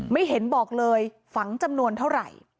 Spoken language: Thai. ไม่เห็นบอกเลยฝังจำนวนเท่าไหร่